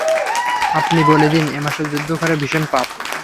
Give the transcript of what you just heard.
আপনি বলে দিন, এ মাসে যুদ্ধ করা ভীষণ পাপ।